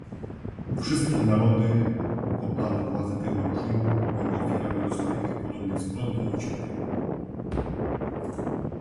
Wszystkie narody poddane władzy tego reżimu były ofiarami rozmaitych podobnych zbrodni i cierpień